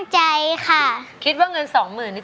ห้าร้องได้